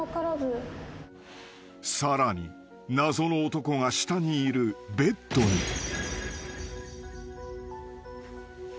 ［さらに謎の男が下にいるベッドに］